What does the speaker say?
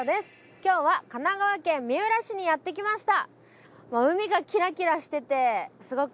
今日は神奈川県三浦市にやってきました。